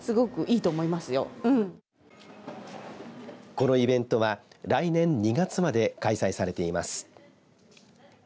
このイベントは来年２月まで開催されています。